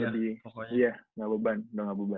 iya gak beban udah gak beban